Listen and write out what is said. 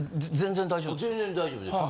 全然大丈夫です。